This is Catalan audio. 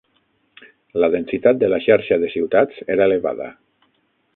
La densitat de la xarxa de ciutats era elevada.